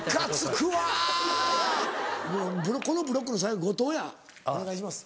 このブロックの最後後藤やお願いします。